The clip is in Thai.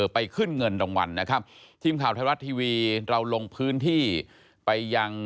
ไปขึ้นเงินรางวัลนะครับ